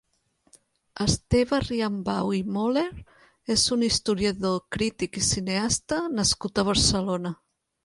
Esteve Riambau i Möller és un historiador, crític i cineasta nascut a Barcelona.